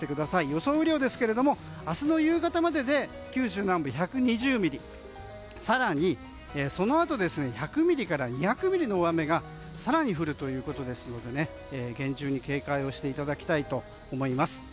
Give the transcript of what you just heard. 予想雨量ですけども明日の夕方までで九州南部１２０ミリそのあとも１００ミリから２００ミリの大雨が更に降るということですので厳重に警戒していただきたいと思います。